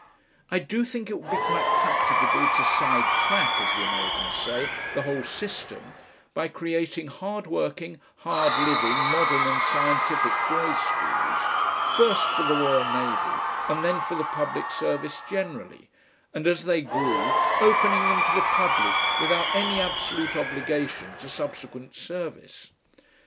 I do think it would be quite practicable to side track, as the Americans say, the whole system by creating hardworking, hard living, modern and scientific boys' schools, first for the Royal Navy and then for the public service generally, and as they grew, opening them to the public without any absolute obligation to subsequent service.